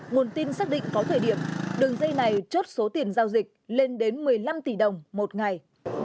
nguồn tin xác định có thời điểm đường dây này chốt số tiền giao dịch lên đến một mươi năm tỷ đồng một ngày